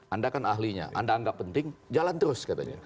anda kan ahlinya anda anggap penting jalan terus katanya